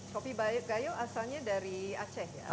kopi bayak gayo asalnya dari aceh ya